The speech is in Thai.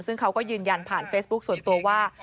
ซึ่งเขาก็ยืนยันผ่านเฟซบุ๊คส่วนตัวว่า